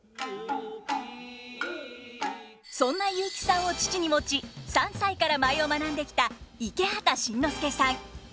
そんな雄輝さんを父に持ち３歳から舞を学んできた池畑慎之介さん。